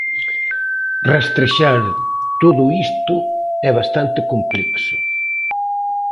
Rastrexar todo isto é bastante complexo.